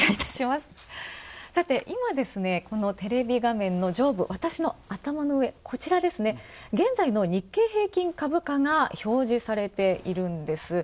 今、テレビ画面の上部、私の頭の上、現在の日経平均株価が表示されているんです。